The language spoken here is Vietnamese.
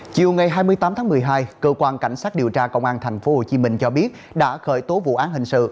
chiều ngày hai mươi tám tháng một mươi hai cơ quan cảnh sát điều tra công an tp hcm cho biết đã khởi tố vụ án hình sự